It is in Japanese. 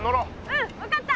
うん分かった。